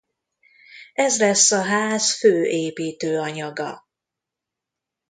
Ez lesz a ház fő építőanyaga.